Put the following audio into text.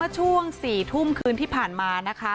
ช่วง๔ทุ่มคืนที่ผ่านมานะคะ